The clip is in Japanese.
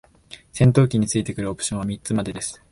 戦闘機に付いてくるオプションは三つまでです。